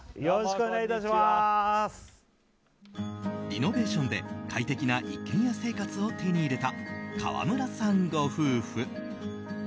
リノベーションで快適な一軒家生活を手に入れた川村さんご夫婦。